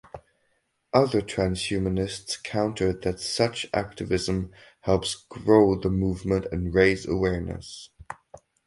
Other transhumanists countered that such activism helps grow the movement and raise awareness.